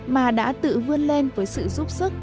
mà đã tự vươn lên với sự giúp sức